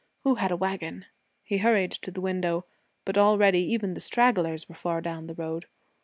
Who had a wagon? He hurried to the window, but already even the stragglers were far down the road.